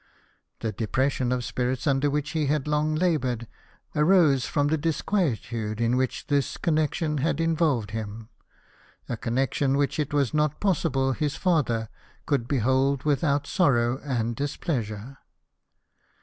The depression of spirits under which he had long AT MERTON. 267 laboured, arose from the disquietude in whicli this connection had involved him, a connection which it was not possible his father could behold without sorrow and displeasure.